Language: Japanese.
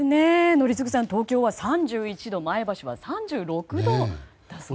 宜嗣さん、東京は３１度前橋は３６度だそうです。